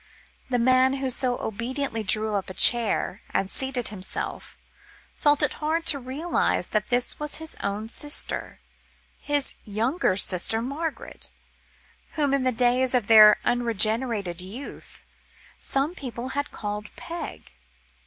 The man who so obediently drew up a chair, and seated himself, felt it hard to realise that this was his own sister, his younger sister Margaret, whom in the days of their unregenerate youth, some people had called "Peg."